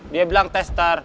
dia bilang tester